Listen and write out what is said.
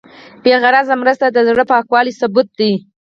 بېغرضه مرسته د زړه پاکوالي ثبوت دی.